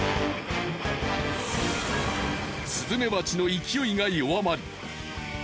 スズメバチの勢いが弱まり。